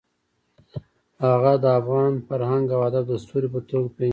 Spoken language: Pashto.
هغه د افغان فرهنګ او ادب د ستوري په توګه پېژندل کېږي.